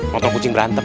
nonton kucing berantem